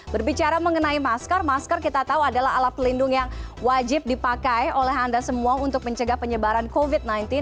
berbicara mengenai masker masker kita tahu adalah alat pelindung yang wajib dipakai oleh anda semua untuk mencegah penyebaran covid sembilan belas